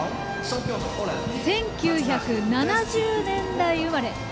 １９７０年代生まれ。